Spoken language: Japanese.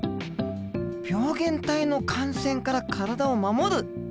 病原体の感染から体を守る！